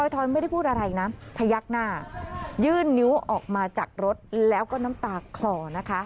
ถอยไม่ได้พูดอะไรนะพยักหน้ายื่นนิ้วออกมาจากรถแล้วก็น้ำตาคลอนะคะ